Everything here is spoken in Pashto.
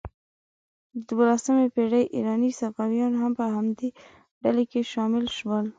د دوولسمې پېړۍ ایراني صوفیان هم په همدې ډلې کې شامل شول.